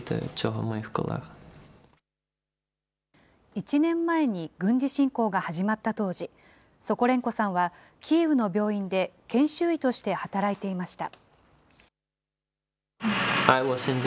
１年前に軍事侵攻が始まった当時、ソコレンコさんは、キーウの病院で研修医として働いていました。